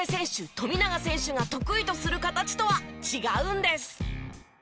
富永選手が得意とする形とは違うんです。